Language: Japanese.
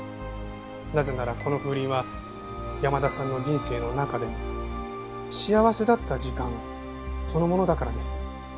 なぜならこの風鈴は山田さんの人生の中で幸せだった時間そのものだからです。